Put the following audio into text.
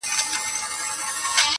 o دا حال دئ، چي پر غوايي جوال دئ٫